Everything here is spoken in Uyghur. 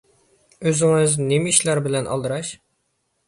ئۆزىڭىز نېمە ئىشلار بىلەن ئالدىراش؟